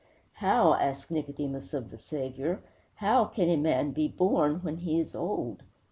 'How?' asked Nicodemus of the Saviour. 'How can a man be born when he is old?'